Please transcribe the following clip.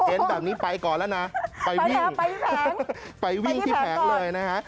เห็นแบบนี้ไปก่อนแล้วนะไปวิ่งไปวิ่งที่แผงเลยนะฮะ